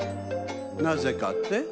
なぜかって？